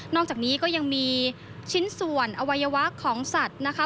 อกจากนี้ก็ยังมีชิ้นส่วนอวัยวะของสัตว์นะคะ